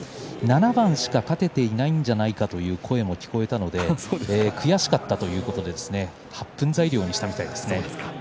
７番しか勝てていないんじゃないかという声も聞こえたので悔しかったということで発奮材料にしたみたいです。